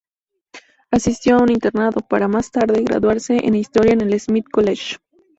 Asistió a un internado, para, más tarde, graduarse en historia en el Smith College.